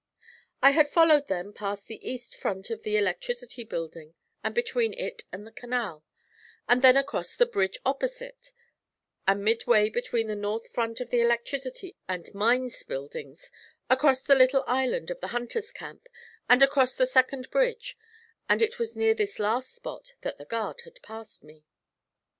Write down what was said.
I had followed them past the east front of the Electricity Building, and between it and the canal, and then across the bridge opposite, and midway between the north front of the Electricity and Mines Buildings, across the little island of the Hunters' Camp, and across the second bridge, and it was near this last spot that the guard had passed me.